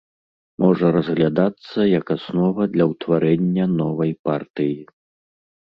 Можа разглядацца як аснова для ўтварэння новай партыі.